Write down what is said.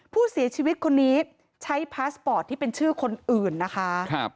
ผู้เสียชีวิตคนนี้ใช้พาสปอร์ตที่เป็นชื่อคนอื่นนะคะ